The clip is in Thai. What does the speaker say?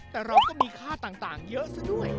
แต่เราก็มีค่าต่างเยอะซะด้วย